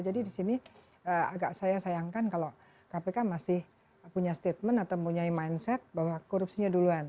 jadi disini agak saya sayangkan kalau kpk masih punya statement atau punya mindset bahwa korupsinya duluan